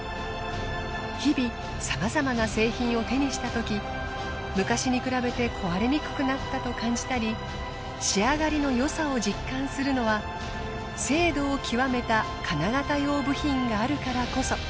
日々さまざまな製品を手にしたとき昔に比べて壊れにくくなったと感じたり仕上がりのよさを実感するのは精度を極めた金型用部品があるからこそ。